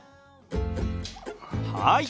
はい！